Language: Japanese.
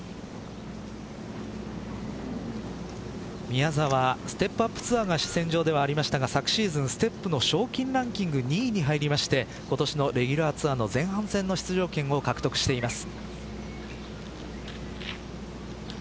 宮澤、ステップアップツアーが主戦場ではありましたが昨シーズン、ステップの賞金ランキング２位に入りまして今年のレギュラーツアーの前半戦の出場権を獲得しています。